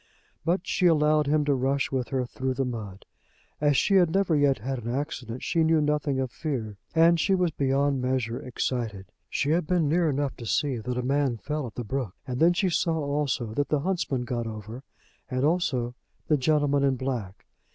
But she allowed him to rush with her through the mud. As she had never yet had an accident she knew nothing of fear, and she was beyond measure excited. She had been near enough to see that a man fell at the brook, and then she saw also that the huntsman got over, and also the gentleman in black.